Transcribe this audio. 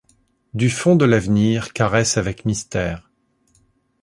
Du fond de l'avenir caresse avec mystère